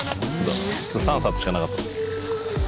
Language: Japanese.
３冊しかなかった。